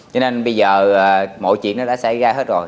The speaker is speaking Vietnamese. cho nên bây giờ mọi chuyện nó đã xảy ra hết rồi